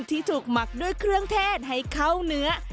ที่ถูกหมักด้วยเครื่องเทศให้เข้าเนื้อ